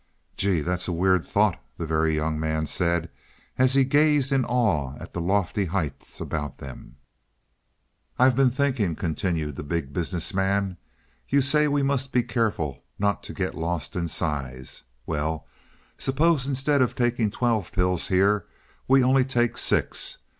"Gee, that's a weird thought," the Very Young Man said, as he gazed in awe at the lofty heights about them. "I've been thinking," continued the Big Business Man. "You say we must be careful not to get lost in size. Well, suppose instead of taking twelve pills here, we only take six.